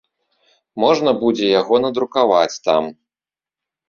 Можна будзе яго надрукаваць там.